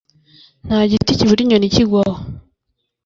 Nta giti kibura inyoni ikigwaho.